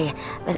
bentar pak bos